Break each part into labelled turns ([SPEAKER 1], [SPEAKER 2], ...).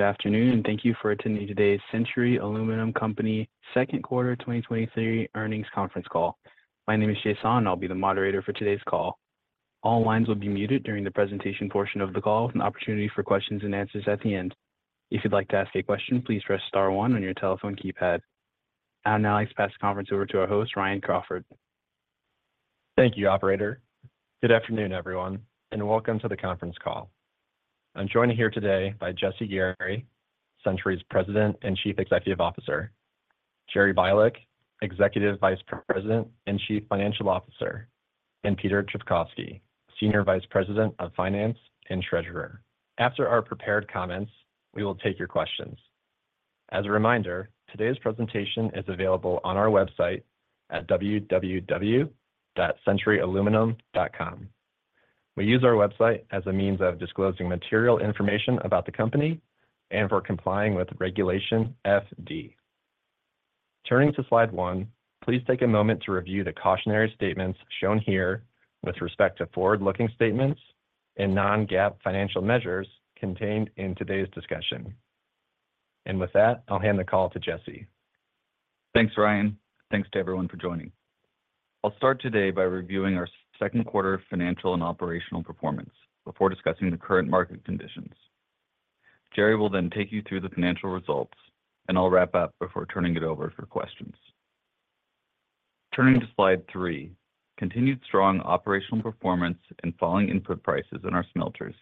[SPEAKER 1] Good afternoon. Thank you for attending today's Century Aluminum Company second quarter 2023 earnings conference call. My name is Jason, I'll be the moderator for today's call. All lines will be muted during the presentation portion of the call, with an opportunity for questions and answers at the end. If you'd like to ask a question, please press star one on your telephone keypad. I'll now pass the conference over to our host, Ryan Crawford.
[SPEAKER 2] Thank you, operator. Good afternoon, everyone, and welcome to the conference call. I'm joined here today by Jesse Gary, Century's President and Chief Executive Officer, Jerry Bialek, Executive Vice President and Chief Financial Officer, and Peter Trpkovski, Senior Vice President of Finance and Treasurer. After our prepared comments, we will take your questions. As a reminder, today's presentation is available on our website at www.centuryaluminum.com. We use our website as a means of disclosing material information about the company and for complying with Regulation FD. Turning to slide one, please take a moment to review the cautionary statements shown here with respect to forward-looking statements and non-GAAP financial measures contained in today's discussion. With that, I'll hand the call to Jesse.
[SPEAKER 3] Thanks, Ryan. Thanks to everyone for joining. I'll start today by reviewing our second quarter financial and operational performance before discussing the current market conditions. Jerry will take you through the financial results, and I'll wrap up before turning it over for questions. Turning to slide three, continued strong operational performance and falling input prices in our smelters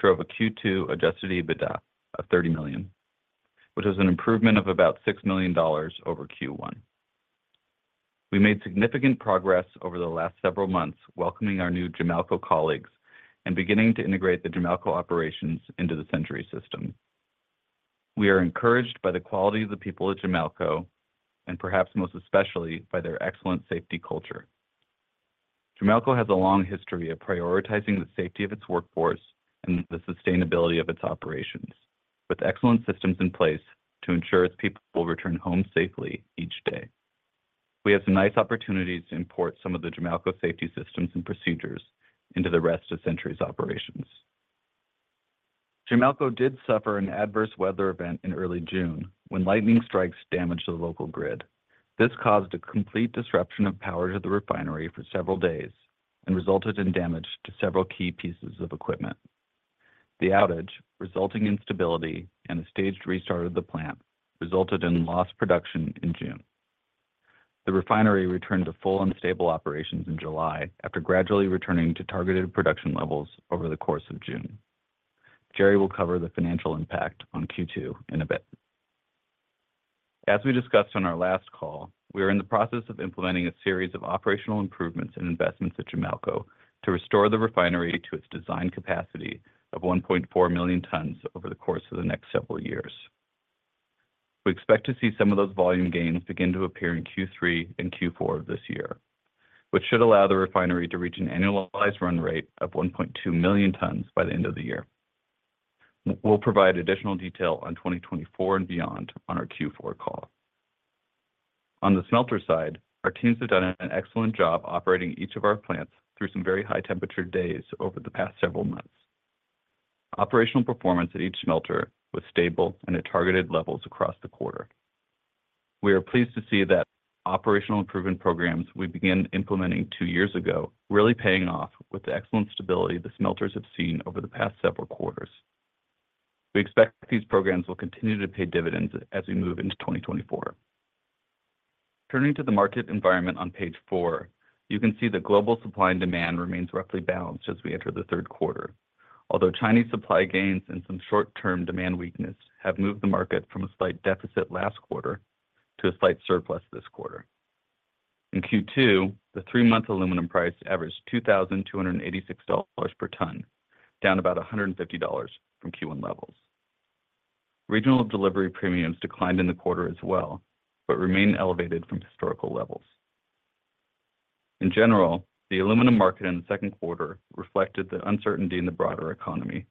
[SPEAKER 3] drove a Q2 adjusted EBITDA of $30 million, which is an improvement of about $6 million over Q1. We made significant progress over the last several months, welcoming our new Jamalco colleagues and beginning to integrate the Jamalco operations into the Century system. We are encouraged by the quality of the people at Jamalco, and perhaps most especially by their excellent safety culture. Jamalco has a long history of prioritizing the safety of its workforce and the sustainability of its operations, with excellent systems in place to ensure its people will return home safely each day. We have some nice opportunities to import some of the Jamalco safety systems and procedures into the rest of Century's operations. Jamalco did suffer an adverse weather event in early June when lightning strikes damaged the local grid. This caused a complete disruption of power to the refinery for several days and resulted in damage to several key pieces of equipment. The outage, resulting in stability and a staged restart of the plant, resulted in lost production in June. The refinery returned to full and stable operations in July after gradually returning to targeted production levels over the course of June. Jerry will cover the financial impact on Q2 in a bit. As we discussed on our last call, we are in the process of implementing a series of operational improvements and investments at Jamalco to restore the refinery to its design capacity of 1.4 million tons over the course of the next several years. We expect to see some of those volume gains begin to appear in Q3 and Q4 of this year, which should allow the refinery to reach an annualized run rate of 1.2 million tons by the end of the year. We'll provide additional detail on 2024 and beyond on our Q4 call. On the smelter side, our teams have done an excellent job operating each of our plants through some very high temperature days over the past several months. Operational performance at each smelter was stable and at targeted levels across the quarter. We are pleased to see that operational improvement programs we began implementing two years ago, really paying off with the excellent stability the smelters have seen over the past several quarters. We expect these programs will continue to pay dividends as we move into 2024. Turning to the market environment on page four, you can see the global supply and demand remains roughly balanced as we enter the third quarter. Chinese supply gains and some short-term demand weakness have moved the market from a slight deficit last quarter to a slight surplus this quarter. In Q2, the three-month aluminum price averaged $2,286 per ton, down about $150 from Q1 levels. Regional delivery premiums declined in the quarter as well, remained elevated from historical levels. In general, the aluminum market in the second quarter reflected the uncertainty in the broader economy.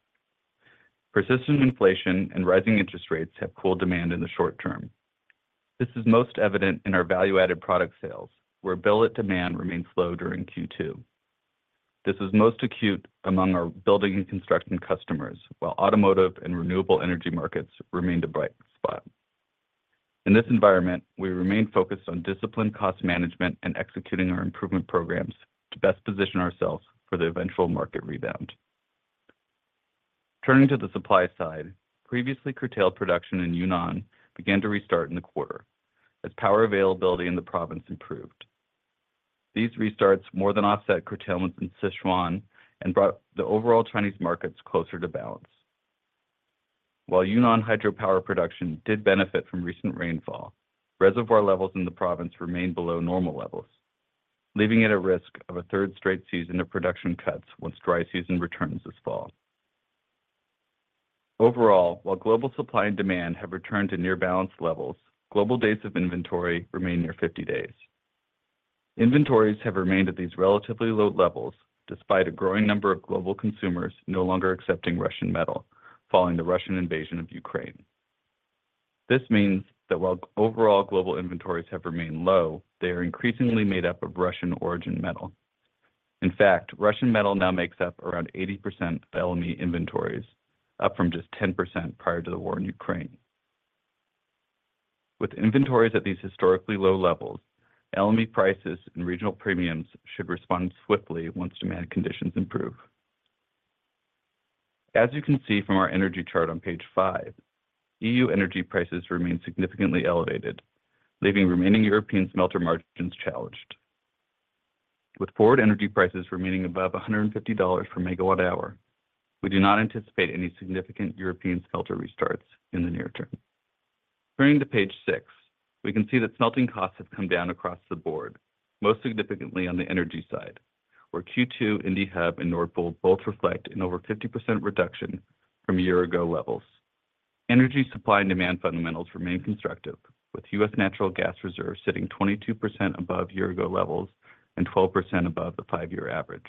[SPEAKER 3] Persistent inflation and rising interest rates have cooled demand in the short term. This is most evident in our value-added product sales, where billet demand remained slow during Q2. This is most acute among our building and construction customers, while automotive and renewable energy markets remained a bright spot. In this environment, we remain focused on disciplined cost management and executing our improvement programs to best position ourselves for the eventual market rebound. Turning to the supply side, previously curtailed production in Yunnan began to restart in the quarter as power availability in the province improved. These restarts more than offset curtailments in Sichuan and brought the overall Chinese markets closer to balance. While Yunnan hydropower production did benefit from recent rainfall, reservoir levels in the province remained below normal levels, leaving it at risk of a third straight season of production cuts once dry season returns this fall. Overall, while global supply and demand have returned to near balance levels, global days of inventory remain near 50 days. Inventories have remained at these relatively low levels, despite a growing number of global consumers no longer accepting Russian metal following the Russian invasion of Ukraine.... This means that while overall global inventories have remained low, they are increasingly made up of Russian-origin metal. In fact, Russian metal now makes up around 80% of LME inventories, up from just 10% prior to the war in Ukraine. With inventories at these historically low levels, LME prices and regional premiums should respond swiftly once demand conditions improve. As you can see from our energy chart on page five, EU energy prices remain significantly elevated, leaving remaining European smelter margins challenged. With forward energy prices remaining above $150 per megawatt hour, we do not anticipate any significant European smelter restarts in the near term. Turning to page six, we can see that smelting costs have come down across the board, most significantly on the energy side, where Q2 Indy Hub and Nord Pool both reflect an over 50% reduction from year-ago levels. Energy supply and demand fundamentals remain constructive, with U.S. natural gas reserves sitting 22% above year-ago levels and 12% above the five-year average.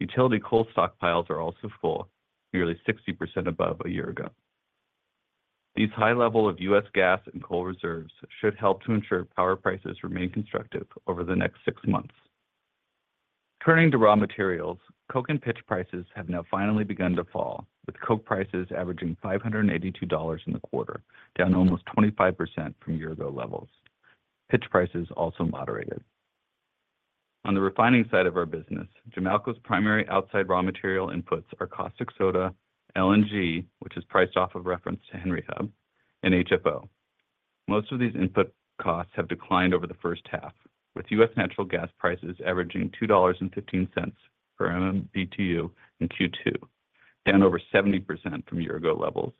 [SPEAKER 3] Utility coal stockpiles are also full, nearly 60% above a year ago. These high level of U.S. gas and coal reserves should help to ensure power prices remain constructive over the next six months. Turning to raw materials, coke and pitch prices have now finally begun to fall, with coke prices averaging $582 in the quarter, down almost 25% from year-ago levels. Pitch prices also moderated. On the refining side of our business, Jamalco's primary outside raw material inputs are caustic soda, LNG, which is priced off of reference to Henry Hub, and HFO. Most of these input costs have declined over the first half, with U.S. natural gas prices averaging $2.15 per MMBtu in Q2, down over 70% from year-ago levels,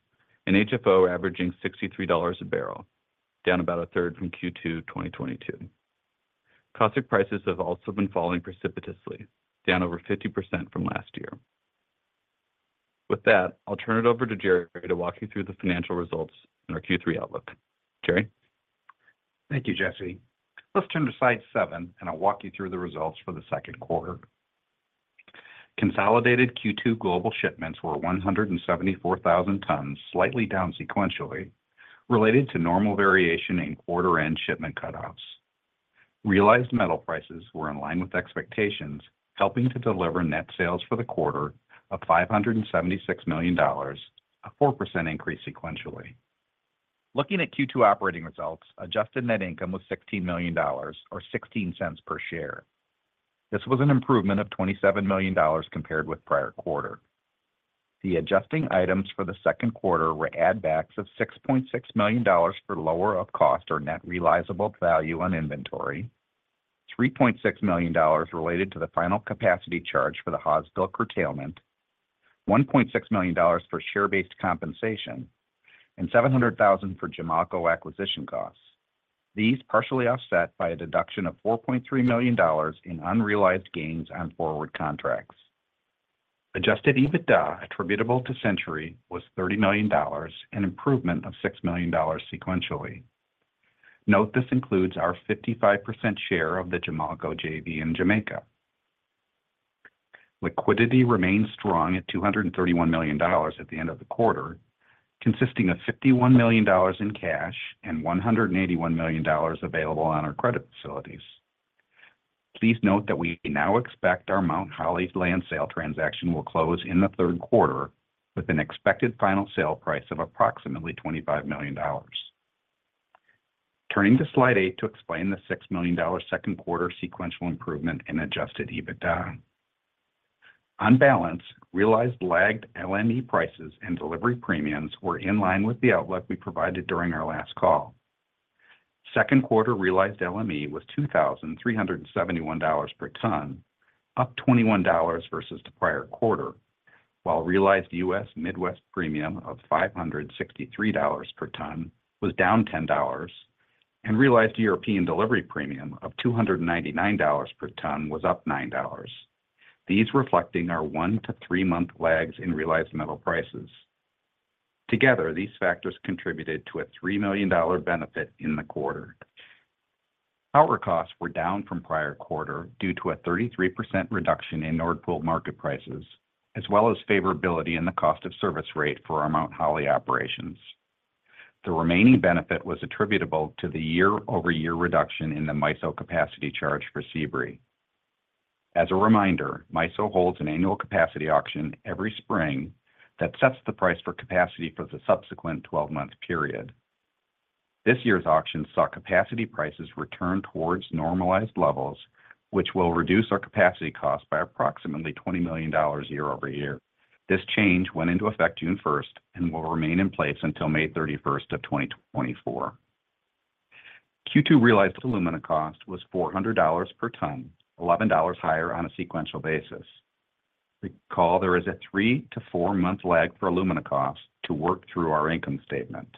[SPEAKER 3] and HFO averaging $63 a barrel, down about a third from Q2 2022. Caustic prices have also been falling precipitously, down over 50% from last year. With that, I'll turn it over to Jerry to walk you through the financial results and our Q3 outlook. Jerry?
[SPEAKER 4] Thank you, Jesse. Let's turn to slide seven, and I'll walk you through the results for the second quarter. Consolidated Q2 global shipments were 174,000 tons, slightly down sequentially, related to normal variation in quarter-end shipment cutoffs. Realized metal prices were in line with expectations, helping to deliver net sales for the quarter of $576 million, a 4% increase sequentially. Looking at Q2 operating results, adjusted net income was $16 million, or $0.16 per share. This was an improvement of $27 million compared with prior quarter. The adjusting items for the second quarter were add backs of $6.6 million for lower of cost or net realizable value on inventory, $3.6 million related to the final capacity charge for the Hawesville curtailment, $1.6 million for share-based compensation, and $700,000 for Jamalco acquisition costs. These partially offset by a deduction of $4.3 million in unrealized gains on forward contracts. Adjusted EBITDA attributable to Century was $30 million, an improvement of $6 million sequentially. Note, this includes our 55% share of the Jamalco JV in Jamaica. Liquidity remains strong at $231 million at the end of the quarter, consisting of $51 million in cash and $181 million available on our credit facilities. Please note that we now expect our Mount Holly land sale transaction will close in the third quarter, with an expected final sale price of approximately $25 million. Turning to slide eight to explain the $6 million second quarter sequential improvement in adjusted EBITDA. On balance, realized lagged LME prices and delivery premiums were in line with the outlook we provided during our last call. Second quarter realized LME was $2,371 per ton, up $21 versus the prior quarter, while realized U.S. Midwest premium of $563 per ton was down $10, and realized European delivery premium of $299 per ton was up $9. These reflecting our one to three-month lags in realized metal prices. Together, these factors contributed to a $3 million benefit in the quarter. Power costs were down from prior quarter due to a 33% reduction in Nord Pool market prices, as well as favorability in the cost of service rate for our Mount Holly operations. The remaining benefit was attributable to the year-over-year reduction in the MISO capacity charge for Sebree. As a reminder, MISO holds an annual capacity auction every spring that sets the price for capacity for the subsequent 12-month period. This year's auction saw capacity prices return towards normalized levels, which will reduce our capacity costs by approximately $20 million year-over-year. This change went into effect June 1st and will remain in place until May 31st of 2024. Q2 realized alumina cost was $400 per ton, $11 higher on a sequential basis. Recall, there is a three to four-month lag for alumina costs to work through our income statement.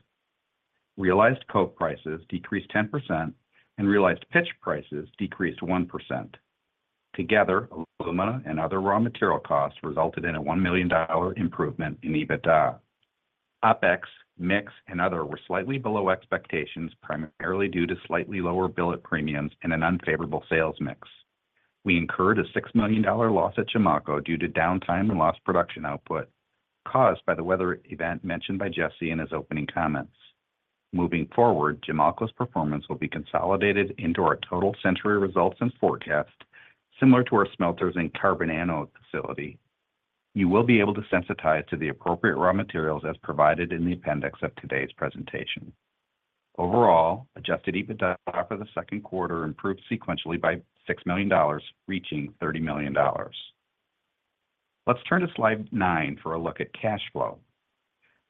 [SPEAKER 4] Realized coke prices decreased 10% and realized pitch prices decreased 1%. Together, alumina and other raw material costs resulted in a $1 million improvement in EBITDA. OpEx, mix, and other were slightly below expectations, primarily due to slightly lower billet premiums and an unfavorable sales mix. We incurred a $6 million loss at Jamalco due to downtime and lost production output, caused by the weather event mentioned by Jesse in his opening comments. Moving forward, Jamalco's performance will be consolidated into our total Century results and forecast, similar to our smelters and carbon anode facility. You will be able to sensitize to the appropriate raw materials as provided in the appendix of today's presentation. Overall, adjusted EBITDA for the second quarter improved sequentially by $6 million, reaching $30 million. Let's turn to slide nine for a look at cash flow.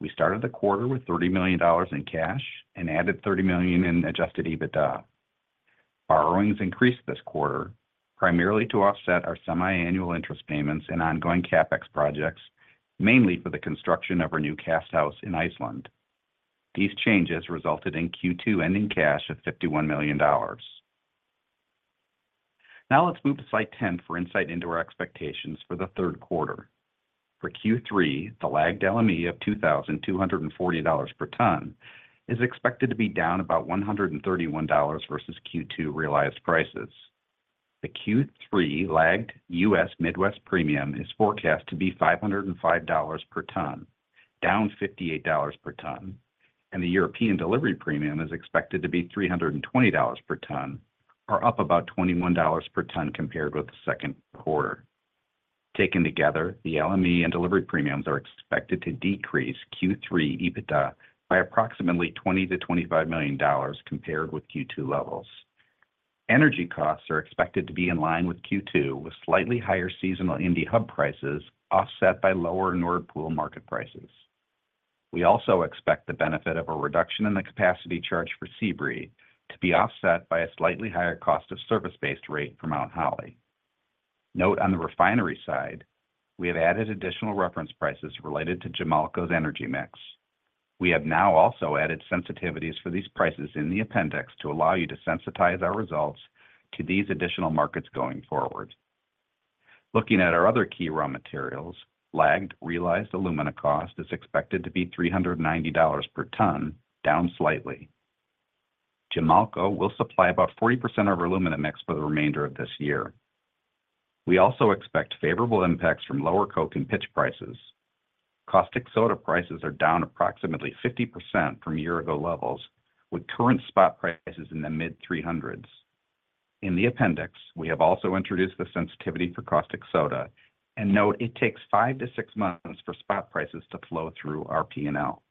[SPEAKER 4] We started the quarter with $30 million in cash and added $30 million in adjusted EBITDA. Our earnings increased this quarter, primarily to offset our semiannual interest payments and ongoing CapEx projects, mainly for the construction of our new casthouse in Iceland. These changes resulted in Q2 ending cash of $51 million. Let's move to slide 10 for insight into our expectations for the third quarter. For Q3, the lagged LME of $2,240 per ton is expected to be down about $131 versus Q2 realized prices. The Q3 lagged U.S. Midwest premium is forecast to be $505 per ton, down $58 per ton, and the European delivery premium is expected to be $320 per ton, or up about $21 per ton compared with the second quarter. Taken together, the LME and delivery premiums are expected to decrease Q3 EBITDA by approximately $20 million-$25 million compared with Q2 levels. Energy costs are expected to be in line with Q2, with slightly higher seasonal Indy Hub prices offset by lower Nord Pool market prices. We also expect the benefit of a reduction in the capacity charge for Sebree to be offset by a slightly higher cost of service-based rate for Mount Holly. Note on the refinery side, we have added additional reference prices related to Jamalco's energy mix. We have now also added sensitivities for these prices in the appendix to allow you to sensitize our results to these additional markets going forward. Looking at our other key raw materials, lagged, realized alumina cost is expected to be $390 per ton, down slightly. Jamalco will supply about 40% of our alumina mix for the remainder of this year. We also expect favorable impacts from lower coke and pitch prices. Caustic soda prices are down approximately 50% from year-ago levels, with current spot prices in the mid 300s. In the appendix, we have also introduced the sensitivity for caustic soda and note it takes five to six months for spot prices to flow through our P&L.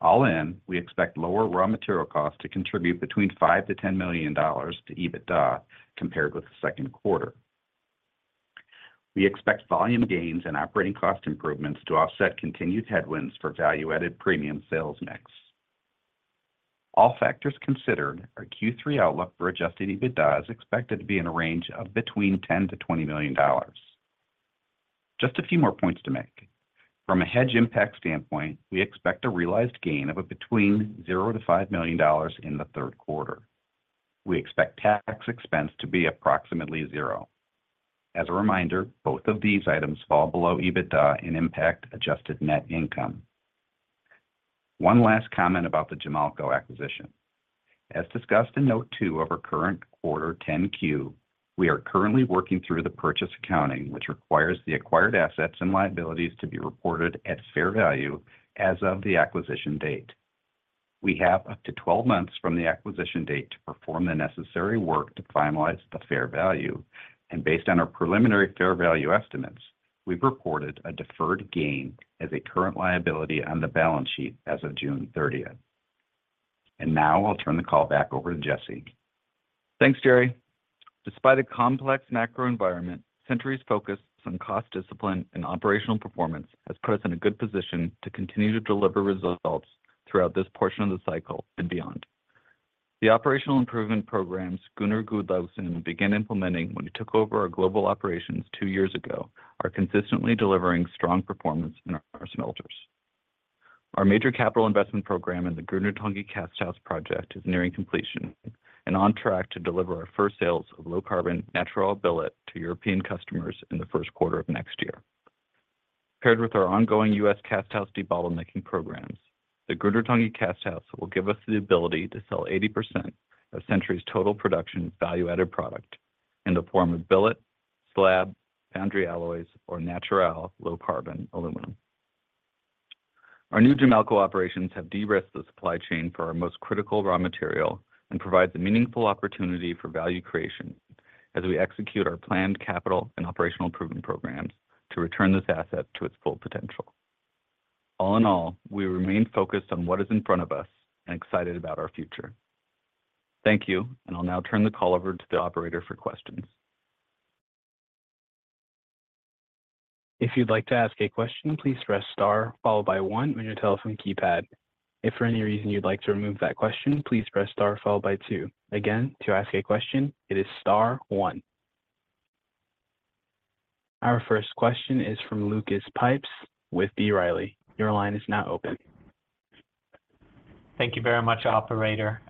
[SPEAKER 4] All in, we expect lower raw material costs to contribute between $5 million-$10 million to EBITDA compared with the second quarter. We expect volume gains and operating cost improvements to offset continued headwinds for value-added premium sales mix. All factors considered, our Q3 outlook for adjusted EBITDA is expected to be in a range of between $10 million-$20 million. Just a few more points to make. From a hedge impact standpoint, we expect a realized gain of between $0-$5 million in the third quarter. We expect tax expense to be approximately zero. As a reminder, both of these items fall below EBITDA and impact adjusted net income. One last comment about the Jamalco acquisition. As discussed in note two of our current quarter 10-Q, we are currently working through the purchase accounting, which requires the acquired assets and liabilities to be reported at fair value as of the acquisition date. We have up to 12 months from the acquisition date to perform the necessary work to finalize the fair value. Based on our preliminary fair value estimates, we've reported a deferred gain as a current liability on the balance sheet as of June 30th. Now I'll turn the call back over to Jesse.
[SPEAKER 3] Thanks, Jerry Bialek. Despite a complex macro environment, Century Aluminum Company's focus on cost discipline and operational performance has put us in a good position to continue to deliver results throughout this portion of the cycle and beyond. The operational improvement programs Gunnar Guðlaugsson began implementing when he took over our global operations two years ago, are consistently delivering strong performance in our smelters. Our major capital investment program in the Grundartangi Casthouse project is nearing completion and on track to deliver our 1st quarter sales of low-carbon natural billet to European customers in the 1st quarter of next year. Paired with our ongoing U.S. casthouse debottlenecking programs, the Grundartangi Casthouse will give us the ability to sell 80% of Century Aluminum Company's total production value-added product in the form of billet, slab, foundry alloys, or natural low-carbon aluminum. Our new Jamalco operations have de-risked the supply chain for our most critical raw material and provides a meaningful opportunity for value creation as we execute our planned capital and operational improvement programs to return this asset to its full potential. All in all, we remain focused on what is in front of us and excited about our future. Thank you, and I'll now turn the call over to the operator for questions.
[SPEAKER 1] If you'd like to ask a question, please press star, followed by one on your telephone keypad. If for any reason you'd like to remove that question, please press star followed by two. Again, to ask a question, it is star one. Our first question is from Lucas Pipes with B. Riley. Your line is now open.
[SPEAKER 5] Thank you very much, operator.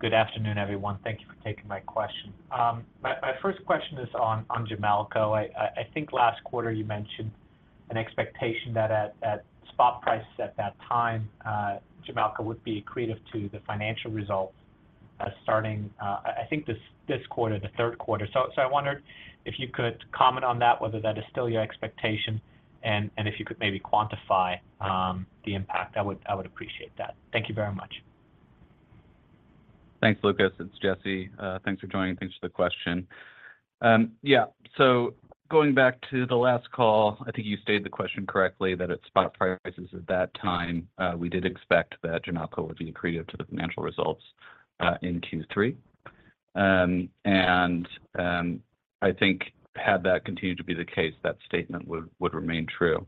[SPEAKER 5] Good afternoon, everyone. Thank you for taking my question. My, my first question is on, on Jamalco. I, I, I think last quarter you mentioned an expectation that at, at spot prices at that time, Jamalco would be accretive to the financial results, starting, I think this, this quarter, the third quarter. I wondered if you could comment on that, whether that is still your expectation, and, and if you could maybe quantify the impact, I would, I would appreciate that. Thank you very much.
[SPEAKER 3] Thanks, Lucas. It's Jesse. Thanks for joining, thanks for the question. So going back to the last call, I think you stated the question correctly, that at spot prices at that time, we did expect that Jamalco would be accretive to the financial results, in Q3. I think had that continued to be the case, that statement would, would remain true.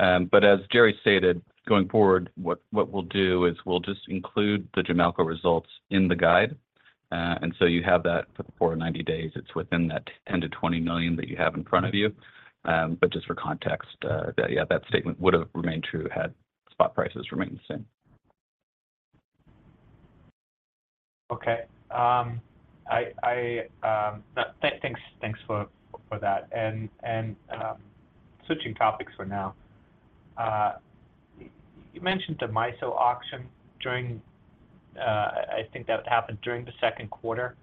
[SPEAKER 3] As Jerry stated, going forward, what, what we'll do is we'll just include the Jamalco results in the guide. So you have that for 90 days. It's within that $10 million-$20 million that you have in front of you. Just for context, that, yeah, that statement would have remained true had spot prices remained the same.
[SPEAKER 5] Okay, I, I, thanks, thanks for, for that. Switching topics for now. You mentioned the MISO auction during, I think that happened during the second quarter.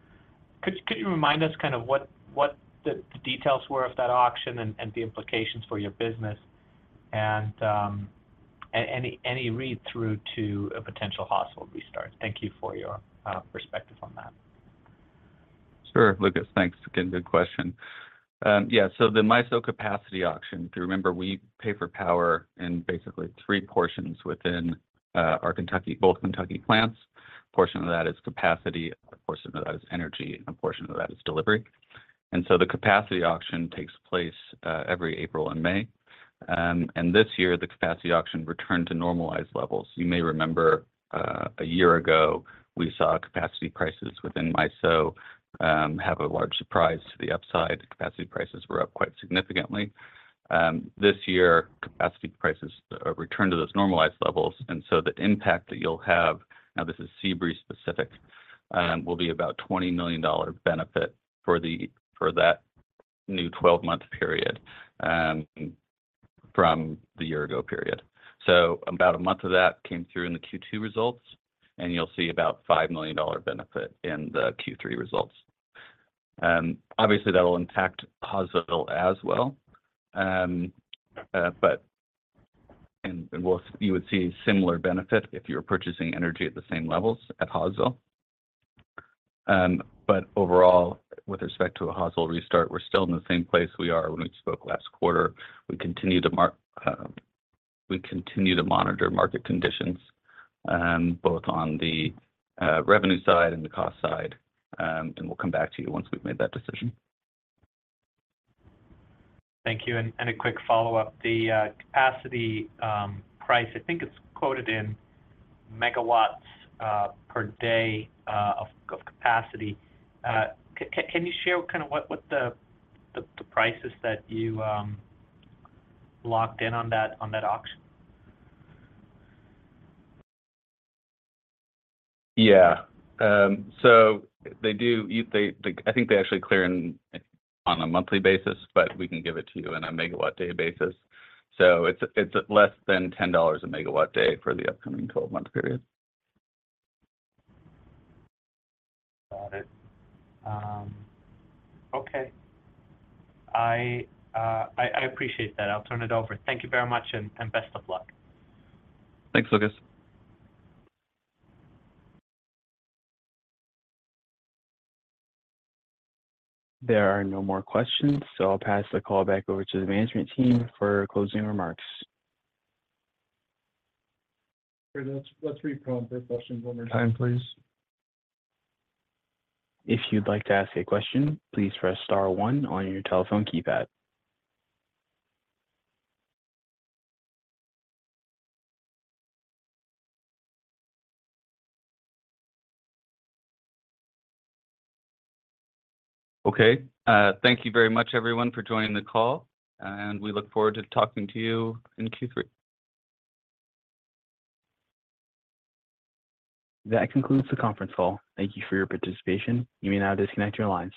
[SPEAKER 5] Could, could you remind us kind of what, what the, the details were of that auction and, and the implications for your business? Any, any read-through to a potential Hawesville restart. Thank you for your perspective on that.
[SPEAKER 3] Sure, Lucas, thanks. Again, good question. The MISO capacity auction, if you remember, we pay for power in basically three portions within our both Kentucky plants. A portion of that is capacity, a portion of that is energy, and a portion of that is delivery. The capacity auction takes place every April and May. This year, the capacity auction returned to normalized levels. You may remember, a year ago, we saw capacity prices within MISO have a large surprise to the upside. The capacity prices were up quite significantly. This year, capacity prices returned to those normalized levels, the impact that you'll have, now, this is Sebree specific, will be about $20 million benefit for that new 12-month period from the year ago period. About a month of that came through in the Q2 results, and you'll see about $5 million benefit in the Q3 results. Obviously, that'll impact Hawesville as well. You would see a similar benefit if you were purchasing energy at the same levels at Hawesville. Overall, with respect to a Hawesville restart, we're still in the same place we are when we spoke last quarter. We continue to monitor market conditions, both on the revenue side and the cost side. We'll come back to you once we've made that decision.
[SPEAKER 5] Thank you. A quick follow-up: the capacity price, I think it's quoted in megawatts per day of capacity. Can you share kind of what the prices that you locked in on that, on that auction?
[SPEAKER 3] Yeah. I think they actually clear on, on a monthly basis, but we can give it to you on a megawatt day basis. It's less than $10 a megawatt day for the upcoming 12-month period.
[SPEAKER 5] Got it. Okay. I, I appreciate that. I'll turn it over. Thank you very much, and best of luck.
[SPEAKER 3] Thanks, Lucas.
[SPEAKER 6] There are no more questions. I'll pass the call back over to the management team for closing remarks. Let's reprompt for questions one more time, please. If you'd like to ask a question, please press star one on your telephone keypad.
[SPEAKER 3] Okay. Thank you very much, everyone, for joining the call. We look forward to talking to you in Q3.
[SPEAKER 6] That concludes the conference call. Thank you for your participation. You may now disconnect your lines.